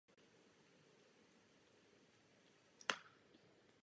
Křídla jsou dlouhá.